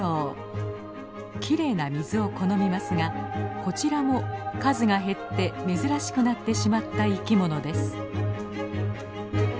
きれいな水を好みますがこちらも数が減って珍しくなってしまった生きものです。